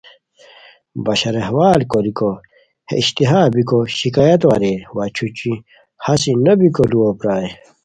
بشاراحوال کوریکو بے اشتہا بیکو شکایتو اریر وا چھوچی ہاسی نو بیکو لوؤ پرائے